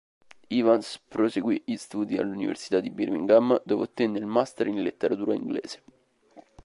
Evans proseguì gli studi all'Università di Birmingham, dove ottenne il Master in letteratura inglese.